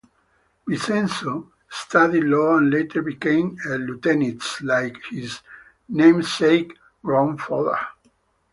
Vincenzo studied law and later became a lutenist like his namesake grandfather.